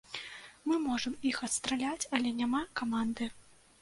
Мы можам іх адстраляць, але няма каманды.